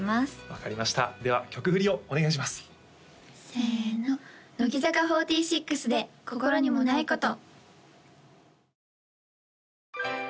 分かりましたでは曲振りをお願いしますせーの乃木坂４６で「心にもないこと」